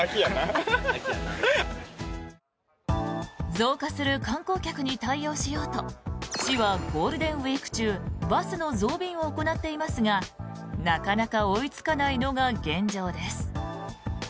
増加する観光客に対応しようと市は、ゴールデンウィーク中バスの増便を行っていますがなかなか追いつかないのが現状です。